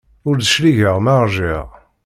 Ur d-cligeɣ ma ṛjiɣ.